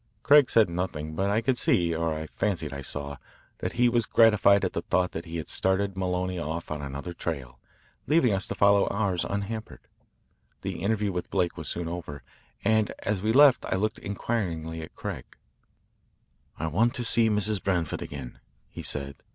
Craig said nothing, but I could see, or fancied I saw, that he was gratified at the thought that he had started Maloney off on another trail, leaving us to follow ours unhampered. The interview with Blake was soon over, and as we left I looked inquiringly at Craig. "I want to see Mrs. Branford again," he said.